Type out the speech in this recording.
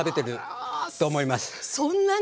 そんなに？